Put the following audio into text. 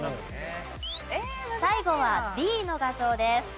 最後はＤの画像です。